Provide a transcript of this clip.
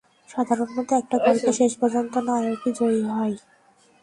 সাধারণত, একটা গল্পে, শেষ পর্যন্ত নায়কই জয়ী হয়।